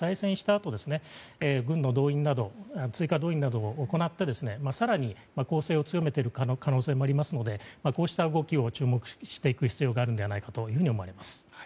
あと軍の動員追加動員などを行って更に、攻勢を強めていく可能性もありますのでこうした動きを注目していく必要があるのではと思います。